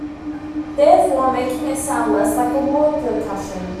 Therefore, making it sound less like a wall percussion.